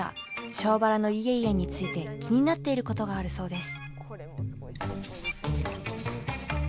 庄原の家々について気になっていることがあるそうです。